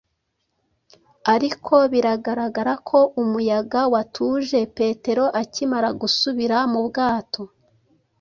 Ariko biragaragara ko umuyaga watuje Petero akimara gusubira mu bwato.